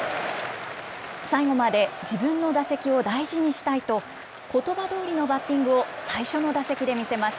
最後まで自分の打席を大事にしたいと、ことばどおりのバッティングを最初の打席で見せます。